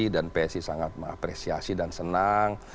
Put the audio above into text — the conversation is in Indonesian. dan psi sangat mengapresiasi dan senang